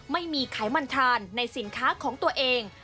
ไม่มีไขมันทานในสินค้าของตัวเอง